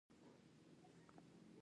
ډیزاین کیدای شي ډیر کوچنی وي.